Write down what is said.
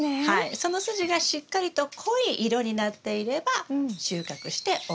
その筋がしっかりと濃い色になっていれば収穫してＯＫ。